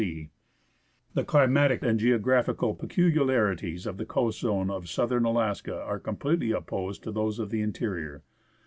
ELIAS The climatic and geographical peculiarities of the coast zone of Southern Alaska are completely opposed to those of the interior.